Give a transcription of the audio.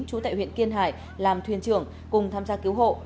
trú tại huyện kiên hải làm thuyền trưởng cùng tham gia cứu hộ